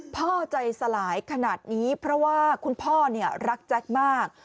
พ่อใจสลายขนาดนี้เพราะว่าคุณพ่อรักแจ๊คมาก